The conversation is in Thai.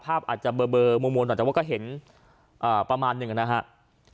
ภาพอาจจะเบอร์มูลหนูภาพอาจจะเห็นประมาณนึงนะครับ